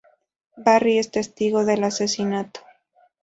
Barry es testigo del asesinato.